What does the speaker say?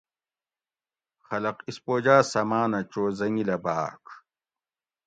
خلق اسپوجاۤ سماۤنہ چو حٔنگیلہ باۤڄ